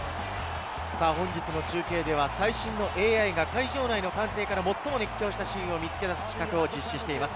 きょうの中継では最新のＡＩが会場内の歓声から最も熱狂したシーンを見つけ出す企画を実施しています。